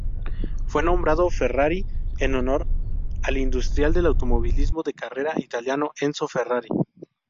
Fue nombrado Ferrari en honor al industrial del automovilismo de carrera italiano Enzo Ferrari.